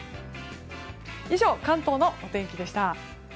以上、関東のお天気でした。